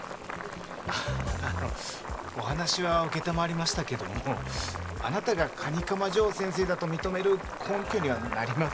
あのお話は承りましたけどもあなたが蟹釜ジョー先生だと認める根拠にはなりませんよね